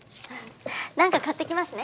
何か買ってきますね。